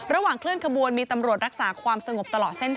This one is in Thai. เคลื่อนขบวนมีตำรวจรักษาความสงบตลอดเส้นทาง